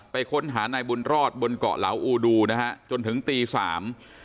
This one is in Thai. ค้นหานายบุญรอดบนเกาะเหลาอูดูนะฮะจนถึงตีสาม